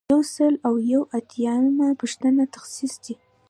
یو سل او یو اتیایمه پوښتنه تخصیص دی.